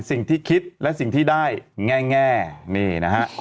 สิ่งที่คิดและสิ่งที่ได้แง่นี่นะฮะ